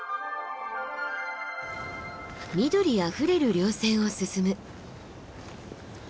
緑あふれる稜線を進む。